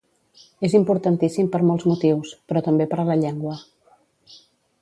És importantíssim per molts motius, però també per la llengua.